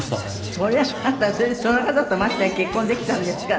そりゃあなたその方とましてや結婚できたんですから。